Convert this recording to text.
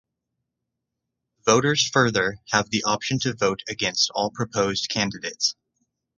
Voters further have the option to vote against all proposed candidates.